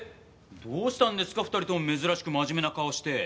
どうしたんですか２人とも珍しく真面目な顔して。